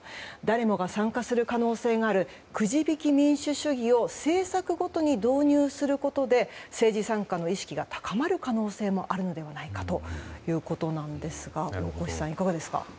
誰もが参加する可能性があるくじ引き民主主義を政策ごとに導入することで政治参加の意識が高まる可能性もあるのではないかということなんですが大越さん、いかがですか。